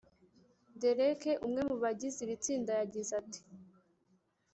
Derek umwe mu bagize iri tsinda yagize ati